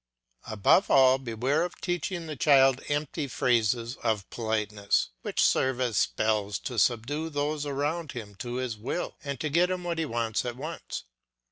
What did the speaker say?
Above all, beware of teaching the child empty phrases of politeness, which serve as spells to subdue those around him to his will, and to get him what he wants at once.